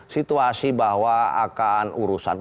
situasi bahwa akan urusan